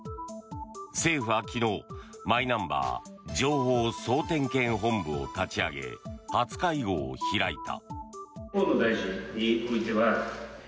政府は昨日マイナンバー情報総点検本部を立ち上げ、初会合を開いた。